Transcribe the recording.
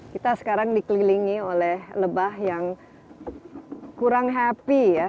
kita sekarang dikelilingi oleh lebah yang kurang happy ya